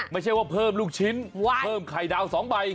ไม่ใช่ว่าเพิ่มลูกชิ้นเพิ่มไข่ดาว๒ใบ